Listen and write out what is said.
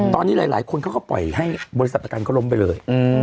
ตอนนี้หลายคนเขาก็ปล่อยให้บริษัทประกันก็ล้มไปเลย